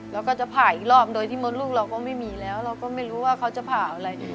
แล้วก็จะผ่าอีกรอบโดยที่มดลูกเราก็ไม่มีแล้วเราก็ไม่รู้ว่าเขาจะผ่าอะไร